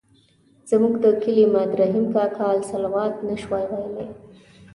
زموږ د کلي ماد رحیم کاکا الصلواة نه شوای ویلای.